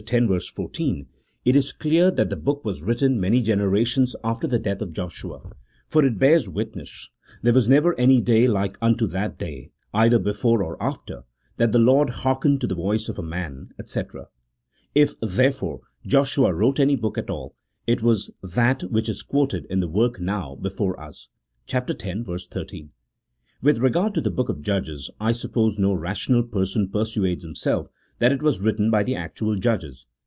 x. verse 14, it is clear that the book 128 A THE0L0GIC0 P0LITICAL TREATISE. [CHAP. VIII. was written many generations after the death of Joshua, for it bears witness " there was never any day like unto that day, either "before or after, that the Lord hear kened to the voice of a man," &c. If, therefore, Joshua wrote any hook at all, it was that which is quoted in the work now before us, chap. x. 13. With regard to the book of Judges, I suppose no rational person persuades himself that it was written by the actual Judges.